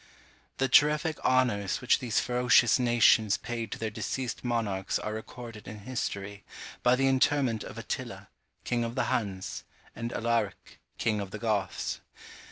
The terrific honours which these ferocious nations paid to their deceased monarchs are recorded in history, by the interment of Attila, king of the Huns, and Alaric, king of the Goths.